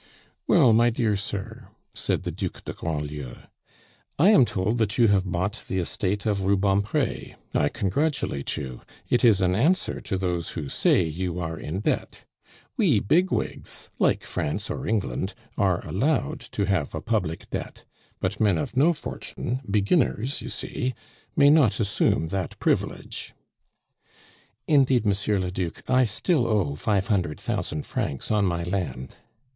"Well, my dear sir," said the Duc de Grandlieu, "I am told that you have bought the estate of Rubempre. I congratulate you. It is an answer to those who say you are in debt. We bigwigs, like France or England, are allowed to have a public debt; but men of no fortune, beginners, you see, may not assume that privilege " "Indeed, Monsieur le Duc, I still owe five hundred thousand francs on my land."